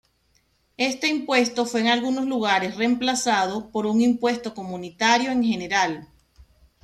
Este impuesto fue en algunos lugares reemplazado por un impuesto comunitario en general.